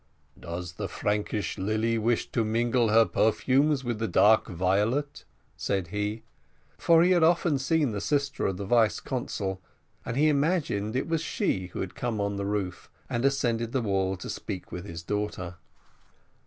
"Does the Frankish lily wish to mingle her perfumes with the dark violet?" said he, for he had often seen the sister of the vice consul, and he imagined it was she who had come on the roof and ascended the wall to speak with his daughter.